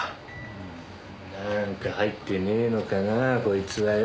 なんか入ってねえのかなこいつはよ。